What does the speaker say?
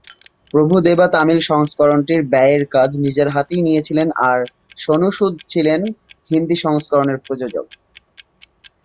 প্রভু দেবা তামিল সংস্করণটির ব্যয়ের কাজ নিজের হাতেই নিয়েছিলেন আর সোনু সুদ ছিলেন হিন্দি সংস্করণের প্রযোজক।